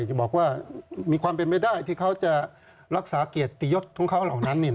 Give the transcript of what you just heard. จะบอกว่ามีความเป็นไปได้ที่เขาจะรักษาเกียรติยศของเขาเหล่านั้น